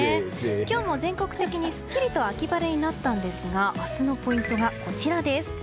今日も全国的にすっきりと秋晴れになったんですが明日のポイントがこちらです。